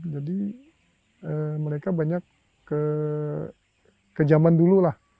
jadi mereka banyak ke zaman dulu lah